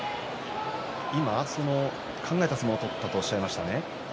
考えた相撲を取ったとおっしゃいましたね。